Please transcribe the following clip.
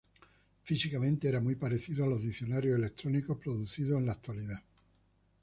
Físicamente, era muy parecido a los diccionarios electrónicos producidos en la actualidad.